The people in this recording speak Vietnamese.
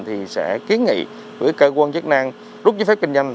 thì sẽ kiến nghị với cơ quan chức năng rút giấy phép kinh doanh